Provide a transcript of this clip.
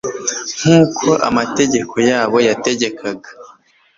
nkuko amategeko yabo yategekaga